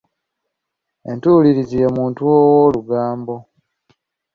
Entuulirizi ye muntu ow'olugambo.